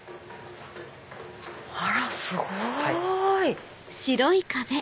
あらすごい！